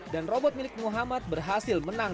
dan robot milik muhammad berhasil menang